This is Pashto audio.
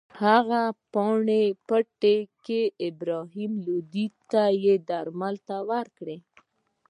هغه په پاني پت کې ابراهیم لودي ته ماتې ورکړه.